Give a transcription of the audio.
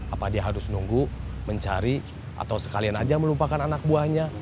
apa dia harus nunggu mencari atau sekalian aja melupakan anak buahnya